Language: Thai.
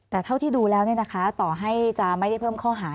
แต่เท่าที่ดูแล้วต่อให้จะไม่ได้เพิ่มข้อหา